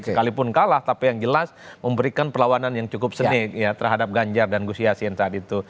sekalipun kalah tapi yang jelas memberikan perlawanan yang cukup seni ya terhadap ganjar dan gus yasin saat itu